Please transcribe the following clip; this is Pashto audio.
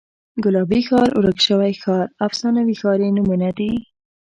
ګلابي ښار، ورک شوی ښار، افسانوي ښار یې نومونه دي.